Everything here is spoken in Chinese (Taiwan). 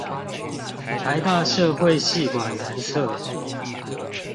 臺大社會系館南側